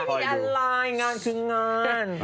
จะคอยดูไม่มีอะไรงานคืองาน